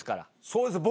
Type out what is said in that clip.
そうですよ